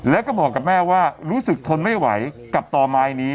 แล้วก็บอกกับแม่ว่ารู้สึกทนไม่ไหวกับต่อไม้นี้